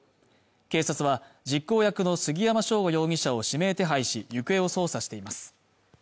警察は実行役の杉山翔吾容疑者を指名手配し行方を捜査しています